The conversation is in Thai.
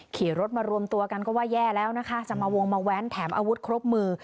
ขี่รถมารวมตัวกันก็ว่าแย่แล้วนะคะจะมาวงมาแว้นแถมอาวุธครบมือ